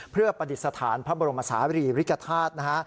เพื่อประดิษฐานพระบรมศาลีริกฐาตุนะฮะ